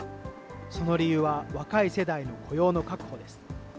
その理由は若い世代の雇用の確保です。